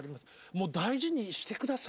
もう大事にして下さい。